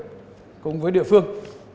cùng với các ngân sách địa phương